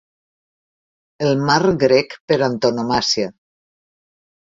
El mar grec per antonomàsia.